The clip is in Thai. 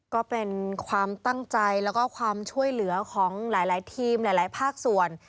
ก็เป็นความตั้งใจแล้วก็ความช่วยเหลือของหลายทีมหลายภาคส่วน